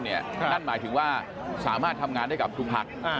นั่นหมายถึงว่าสามารถทำงานได้กับทุกพัก